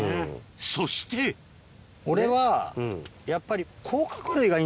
そして俺はやっぱり。